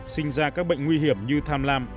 sinh ra các bệnh nguy hiểm như tham lam